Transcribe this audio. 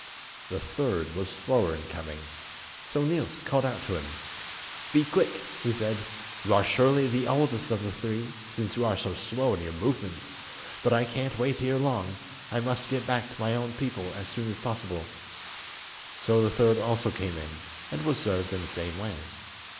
The third was slower in coming, so Niels called out to him: "Be quick," he said, "you are surely the oldest of the three, since you are so slow in your movements, but I can't wait here long; I must get back to my own people as soon as possible." So the third also came in, and was served in the same way.